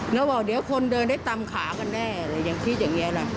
แล้วบอกเดี๋ยวคนเดินได้ตำขากันแน่อะไรอย่างนี้